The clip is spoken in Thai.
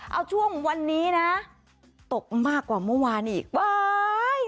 เอาช่วงวันนี้นะตกมากกว่าเมื่อวานอีกบ่าย